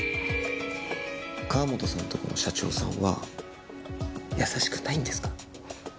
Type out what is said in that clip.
河本さんとこの社長さんは優しくないんですか？